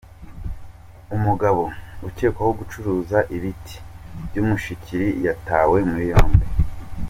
Umugabo ukekwaho gucuruza ibiti by’Umushikiri yatawe muri yombi